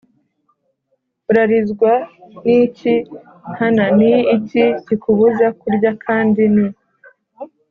Urarizwa n iki Hana Ni iki kikubuza kurya kandi ni